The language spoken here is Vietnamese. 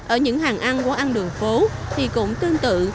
ở những hàng ăn quán ăn đường phố thì cũng tương tự